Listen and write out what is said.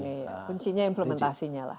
kuncinya implementasinya lah